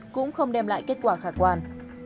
cũng không đem lại kết quả khả quan